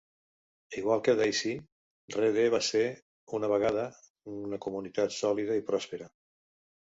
Igual que Daisy, Redden va ser, una vegada, una comunitat sòlida i pròspera.